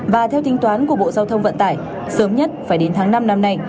và theo tính toán của bộ giao thông vận tải sớm nhất phải đến tháng năm năm nay